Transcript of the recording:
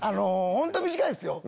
本当短いっすよ。